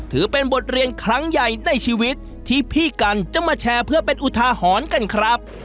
ถือเป็นบทเรียนครั้งใหญ่ในชีวิตที่พี่กันจะมาแชร์เพื่อเป็นอุทาหรณ์กันครับ